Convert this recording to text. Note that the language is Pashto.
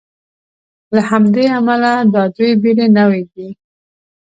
له همدې امله دا دوې بېلې نوعې دي.